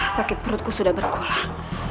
sakit perutku sudah bergolah